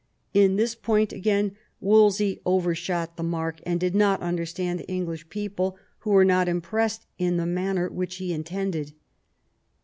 In this point, again, Wolsey overshot the mark, and did not understand the English people, who were not impressed in the manner which he intended.